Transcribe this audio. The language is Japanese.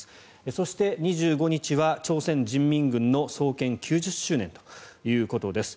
そして、２５日は朝鮮人民軍の創建９０周年ということです。